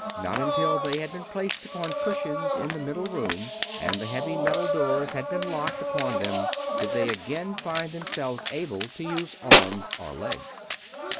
Not until they had been placed upon cushions in the middle room and the heavy metal doors had been locked upon them did they again find themselves able to use arms or legs.